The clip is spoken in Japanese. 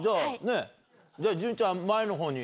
じゃあ、潤ちゃん、前のほうに。